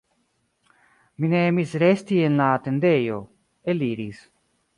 Mi ne emis resti en la atendejo, eliris.